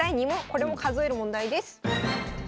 これも数える問題です。